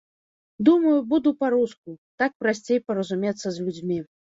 Думаю, буду па-руску, так прасцей паразумецца з людзьмі.